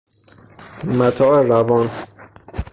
متاع روان